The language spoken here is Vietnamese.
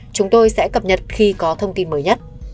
chúng tôi sẽ cập nhật khi có thông tin mới nhất